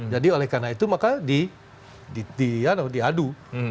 jadi oleh karena itu maka diadu